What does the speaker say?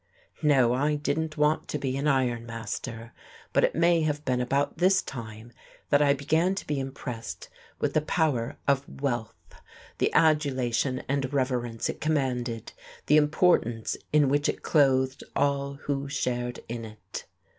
No, I didn't want to be an iron master. But it may have been about this time that I began to be impressed with the power of wealth, the adulation and reverence it commanded, the importance in which it clothed all who shared in it....